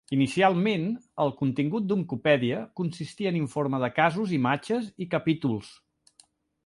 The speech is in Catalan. Inicialment, el contingut d'Oncopedia consistia en informes de casos, imatges i capítols.